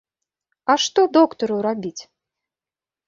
А што доктару рабіць?